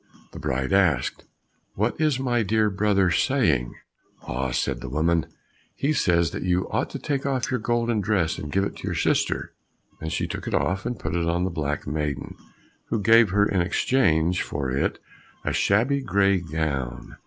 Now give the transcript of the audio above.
The bride asked, "What is my dear brother saying?" "Ah," said the old woman, "he says that you ought to take off your golden dress and give it to your sister." Then she took it off, and put it on the black maiden, who gave her in exchange for it a shabby grey gown.